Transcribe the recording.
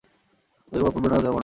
কহিব অপূর্ব কথা না যায় বর্ণন।